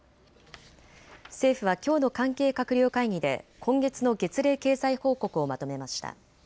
政府はきょうの関係閣僚会議で今月の月例経済報告をまとめました。